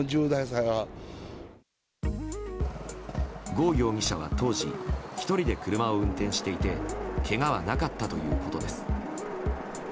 ゴ容疑者は当時１人で車を運転していてけがはなかったということです。